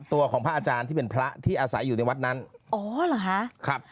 ตัวของพระอาจารย์ที่เป็นพระที่อาศัยอยู่ในวัดนั้นอ๋อเหรอฮะครับ